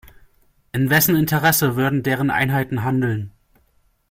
In wessen Interesse würden deren Einheiten handeln?